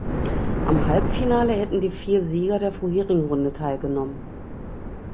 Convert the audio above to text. Am Halbfinale hätten die vier Sieger der vorherigen Runde teilgenommen.